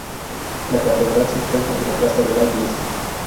La catedral se encuentra en la Plaza de la Iglesia.